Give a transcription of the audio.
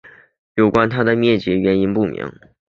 有关它们灭绝的原因不明。